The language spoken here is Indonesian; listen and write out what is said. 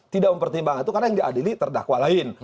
tidak mempertimbangkan itu karena yang diadili terdakwa lain